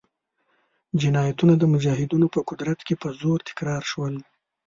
جنایتونه د مجاهدینو په قدرت کې په زور تکرار شول.